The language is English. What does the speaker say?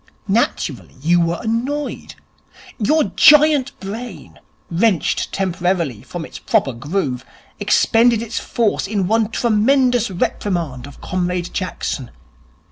Naturally, you were annoyed. Your giant brain, wrenched temporarily from its proper groove, expended its force in one tremendous reprimand of Comrade Jackson.